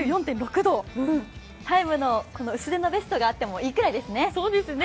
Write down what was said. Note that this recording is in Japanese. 「ＴＩＭＥ，」の薄手のベストがあってもいいぐらいですね。